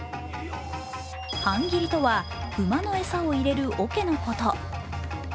はんぎりとは、馬の餌を入れるおけのこと。